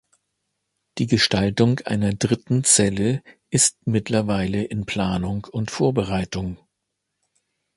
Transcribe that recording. Die Gestaltung einer dritten Zelle ist mittlerweile in Planung und Vorbereitung.